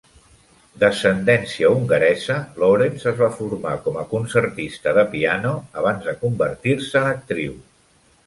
D'ascendència hongaresa, Lawrence es va formar com a concertista de piano abans de convertir-se en actriu.